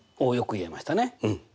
およく言えましたね。